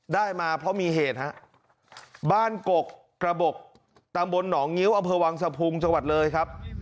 ได้มาเพราะมีเหตุฮะบ้านกกกระบกตำบลหนองงิ้วอำเภอวังสะพุงจังหวัดเลยครับ